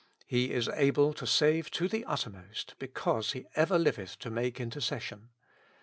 *' He is able to save to the uttermost, because He ever liveth to make intercession."